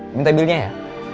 minta bilnya ya